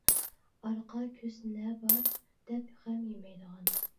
» ئارقا كۆز نە بار؟ «دەپ غەم يېمەيدىغان.